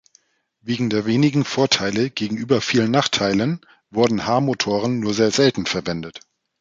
Wegen der wenigen Vorteile gegenüber vielen Nachteilen wurden H-Motoren nur sehr selten verwendet.